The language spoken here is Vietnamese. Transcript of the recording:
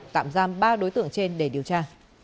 tạm giam ba đối tượng trên để điều tra